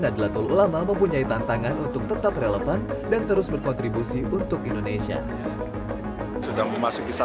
adalah telah lama mempunyai tantangan untuk tetap relevan dan berkembang di negara lainnya